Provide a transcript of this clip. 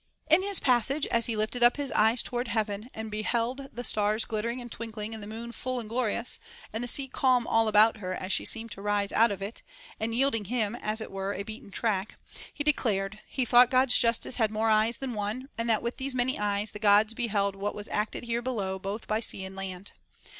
In his passage, as he lifted up his eyes toward heaven, and beheld the stars glittering and twinkling and the moon full and glorious, and the sea calm all about her as she seemed to rise out of it, and yielding him (as it were) a beaten track ; he de clared, he thought God's justice had more eyes than one, and that with these many eyes, the Gods beheld what was acted here below both by sea and land.